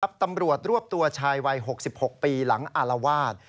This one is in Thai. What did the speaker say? ตำรวจรวบตัวชายวัย๖๖ปีหลังอารวาส